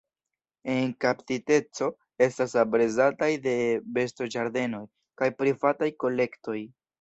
En kaptiteco estas aprezataj de bestoĝardenoj kaj privataj kolektoj.